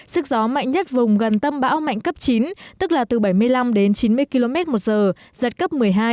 sức gió mạnh nhất vùng gần tâm bão mạnh cấp chín tức là từ bảy mươi năm đến chín mươi km một giờ giật cấp một mươi hai